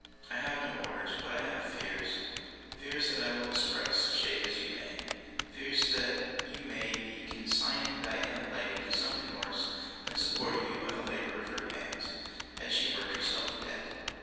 I have no orders, but I have fears fears that I will express, chafe as you may fears that you may be consigning that young lady to something worse than supporting you by the labour of her hands, had she worked herself dead.